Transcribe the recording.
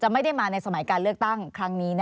ไม่ได้มาในสมัยการเลือกตั้งครั้งนี้